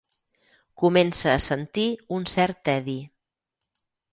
Comença a sentir un cert tedi.